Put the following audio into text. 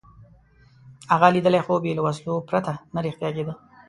هغه لیدلی خوب یې له وسلو پرته نه رښتیا کېده.